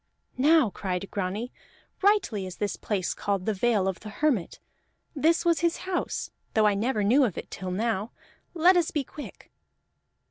"Now," cried Grani, "rightly is this place called the Vale of the Hermit; this was his house, though I never knew of it till now. Let us be quick!"